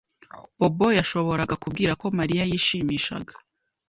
Bobo yashoboraga kubwira ko Mariya yishimishaga.